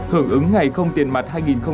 hưởng ứng ngày không tiền mặt hai nghìn hai mươi